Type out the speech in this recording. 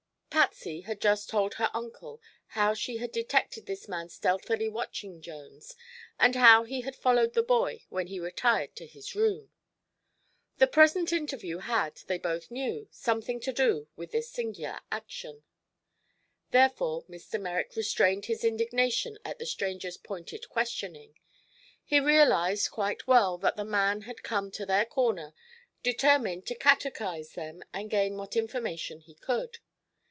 Patsy had just told her uncle how she had detected this man stealthily watching Jones, and how he had followed the boy when he retired to his room. The present interview had, they both knew, something to do with this singular action. Therefore Mr. Merrick restrained his indignation at the stranger's pointed questioning. He realized quite well that the man had come to their corner determined to catechise them and gain what information he could.